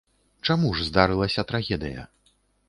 Чаму ж здарылася трагедыя?